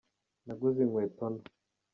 Naguze inkweto nto.